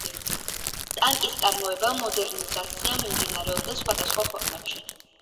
ტანკის წარმოება მოდერნიზაცია მიმდინარეობდა სხვადასხვა ქვეყნებში.